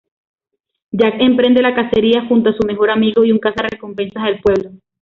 Jack emprende la cacería junto a su mejor amigo y un cazarrecompensas del pueblo.